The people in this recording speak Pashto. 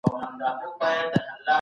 ارزښتونه باید وساتل شي.